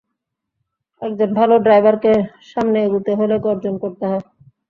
একজন ভালো ড্রাইভারকে সামনে এগুতে হলে গর্জন করতে হয়!